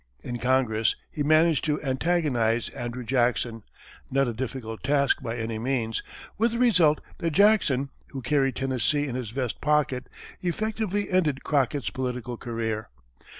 In Congress, he managed to antagonize Andrew Jackson, not a difficult task by any means, with the result that Jackson, who carried Tennessee in his vest pocket, effectively ended Crockett's political career.